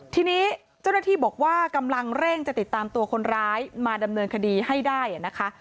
ทีนี้เจ้าหน้าที่บอกว่ากำลังเร่งจะติดตามตัวคนร้ายมาดำเนินคดีให้ได้นะคะ